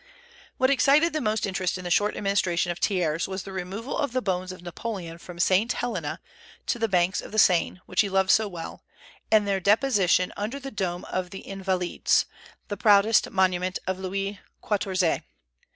What excited the most interest in the short administration of Thiers, was the removal of the bones of Napoleon from St. Helena to the banks of the Seine, which he loved so well, and their deposition under the dome of the Invalides, the proudest monument of Louis Quatorze.